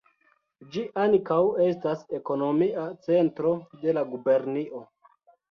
Ĝi ankaŭ estas ekonomia centro de la gubernio.